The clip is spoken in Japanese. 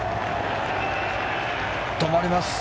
止まります！